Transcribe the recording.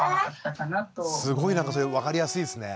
すごいなんかそれ分かりやすいですね。